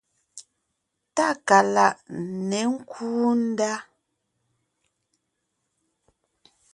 Tákaláʼ ně kúu ndá.